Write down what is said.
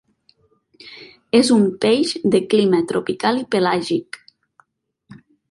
És un peix de clima tropical i pelàgic.